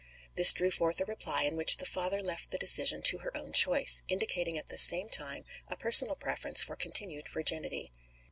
This drew forth a reply in which the father left the decision to her own choice, indicating at the same time a personal preference for continued virginity.